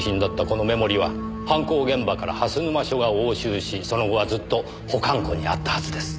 このメモリーは犯行現場から蓮沼署が押収しその後はずっと保管庫にあったはずです。